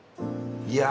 いや